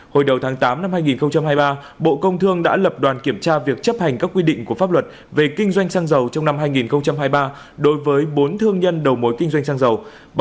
hồi đầu tháng tám năm hai nghìn hai mươi ba bộ công thương đã lập đoàn kiểm tra việc chấp hành các quy định của pháp luật về kinh doanh xăng dầu trong năm hai nghìn hai mươi ba đối với bốn thương nhân đầu mối kinh doanh xăng dầu